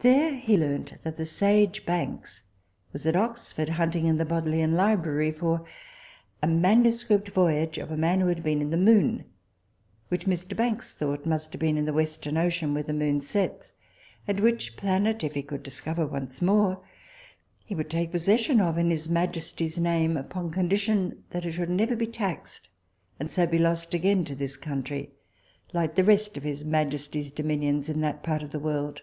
There he learnt that the sage Banks was at Oxford, hunting in the Bodleian library for a MS. voyage of a man who had been in the moon, which Mr. Banks thought must have been in the western ocean, where the moon sets, and which planet if he could discover once more, he would take possession of in his majesty's name, upon condition that it should never be taxed, and so be lost again to this country like the rest of his majesty's dominions in that part of the world.